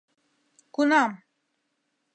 Кунам?..